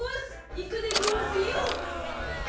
いくでごわすよ！